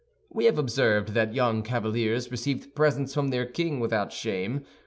We have observed that young cavaliers received presents from their king without shame.